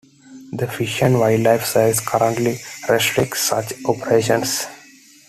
The Fish and Wildlife Service currently restricts such operations.